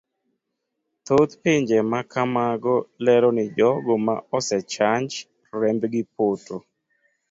Thoth pinje makamago lero ni jogo ma osechanj rembgi poto.